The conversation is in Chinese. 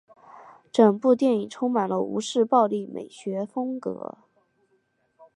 整部电影充满了吴氏暴力美学风格。